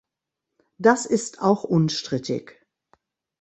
Das ist auch unstrittig.